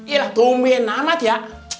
iyalah tumben amat ya